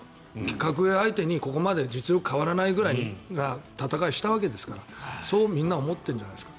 格上相手に、ここまで実力変わらないような戦いをしたんですからそうみんな思っているんじゃないですか。